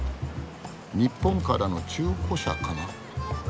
日本からの中古車かな。